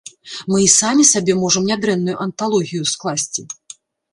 Мы і самі сабе можам нядрэнную анталогію скласці.